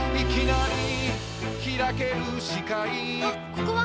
ここは！